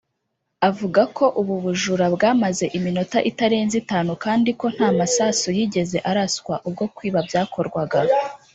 avuga ko ubu bujura bwamaze iminota itarenze itanu kandi ko nta masasu yigeze araswa ubwo kwiba byakorwaga